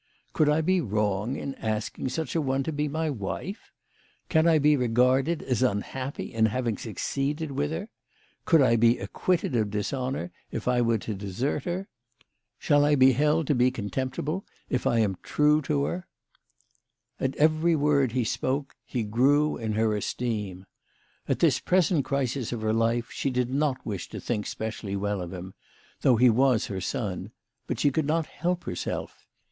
Could I be wrong in asking such a one to be my wife ? Can I be regarded as un happy in having succeeded with her ? Could I be acquitted of dishonour if I were to desert her ? Shall I be held to be contemptible if I am true to her ?" At every word he spoke he grew in her esteem. At this present crisis of her life she did not wish to think specially well of him, though he was her son, but she could not help herself.